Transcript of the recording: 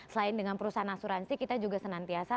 selain dengan perusahaan asuransi kita juga senantiasa